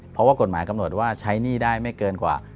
เพราะว่ากฎหมายกำหนดว่าใช้หนี้ได้ไม่เกินกว่า